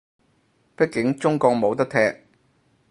畢竟中國冇得踢